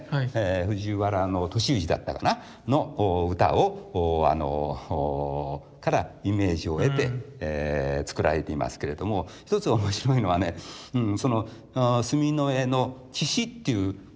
藤原敏行だったかなの歌からイメージを得て作られていますけれども一つ面白いのはね住の江の「岸」という文字はないんですよ。